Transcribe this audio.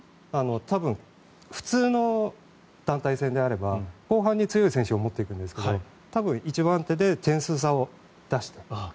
多分、普通の団体戦であれば後半に強い選手を持ってくるんですが多分、１番手で点数差を出して。